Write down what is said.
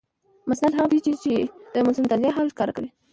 مسند هغه دئ، چي چي د مسندالیه حال ښکاره کوي.